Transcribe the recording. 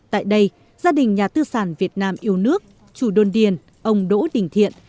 tại đây gia đình nhà tư sản việt nam yêu nước chủ đôn điền ông đỗ đình thiện